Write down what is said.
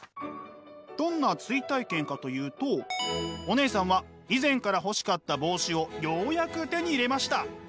どんな追体験かというとお姉さんは以前から欲しかった帽子をようやく手に入れました。